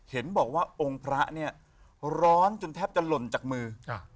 เห็นบอกว่าองค์พระเนี่ยร้อนจนแทบจะหล่นจากมือ